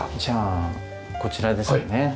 じゃあこちらですかね。